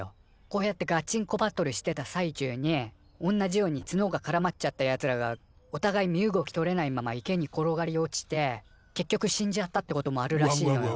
こうやってガチンコバトルしてた最中におんなじようにツノがからまっちゃったやつらがおたがい身動きとれないまま池に転がり落ちて結局死んじゃったってこともあるらしいのよ。